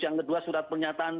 yang kedua surat pernyataan